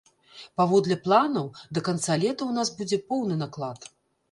Паводле планаў, да канца лета у нас будзе поўны наклад.